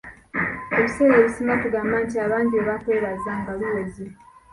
Ebiseera ebisinga tugamba nti abangi bwe bakwebaza nga luweze.